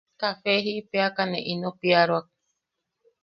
Kafe jiʼipeʼeaka ne ino piaroak.